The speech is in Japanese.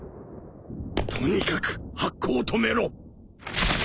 とにかく発行を止めろ！